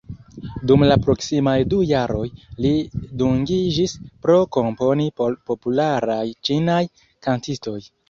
Dum la proksimaj du jaroj, li dungiĝis por komponi por popularaj ĉinaj kantistoj.